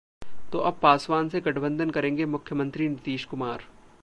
तो अब पासवान से गठबंधन करेंगे मुख्यमंत्री नीतीश कुमार!